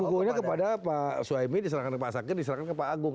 bukunya kepada pak suhaimi diserahkan ke pak sakin diserahkan ke pak agung